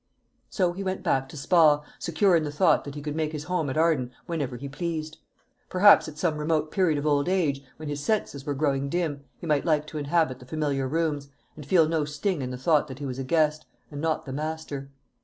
So he went back to Spa, secure in the thought that he could make his home at Arden whenever he pleased. Perhaps at some remote period of old age, when his senses were growing dim, he might like to inhabit the familiar rooms, and feel no sting in the thought that he was a guest, and not the master.